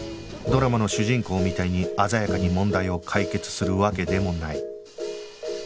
ドラマの主人公みたいに鮮やかに問題を解決するわけでもない